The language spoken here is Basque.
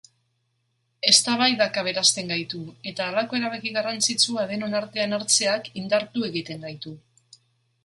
Eztabaidak aberasten gaitu eta halako erabaki garrantzitsua denon artean hartzeak indartu egiten gaitu.